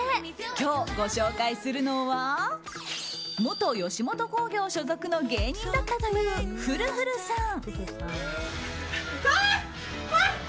今日、ご紹介するのは元吉本興業所属の芸人だったという、ふるふるさん。